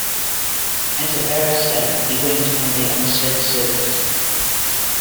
As a barrister, he went on the Oxford circuit.